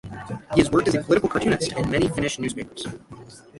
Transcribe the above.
He has worked as a political cartoonist in many Finnish newspapers.